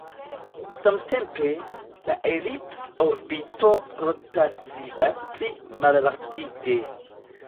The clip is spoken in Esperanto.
Samtempe, la elipsa orbito rotacias pli malrapide.